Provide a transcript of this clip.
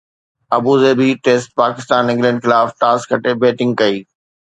Abu Dhabi test: Pakistan England خلاف toss کٽي batting ڪئي